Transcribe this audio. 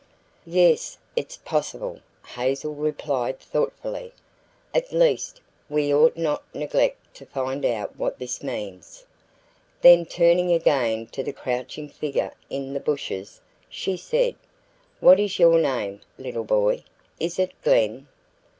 "Yes, it's possible," Hazel replied thoughtfully. "At least, we ought not neglect to find out what this means." Then turning again to the crouching figure in the bushes, she said: "What is your name, little boy? Is it Glen?"